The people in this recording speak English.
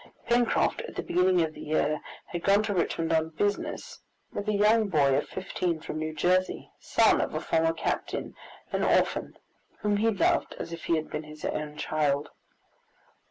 Pencroft at the beginning of the year had gone to Richmond on business, with a young boy of fifteen from New Jersey, son of a former captain, an orphan, whom he loved as if he had been his own child.